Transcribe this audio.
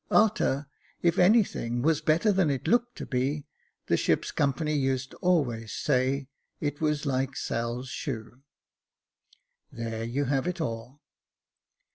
A'ter, if any thing was better than it looked to be, the ship's company used always to say it was like Sail's shoe. There you have it all."